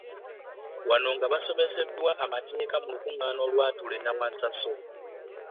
Wano nga basomesebwa amateeka mu lukungaana olwatuula e Nawansaso.